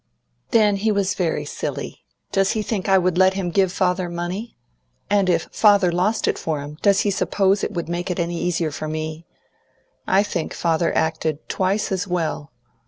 "Then he was very silly. Does he think I would let him give father money? And if father lost it for him, does he suppose it would make it any easier for me? I think father acted twice as well.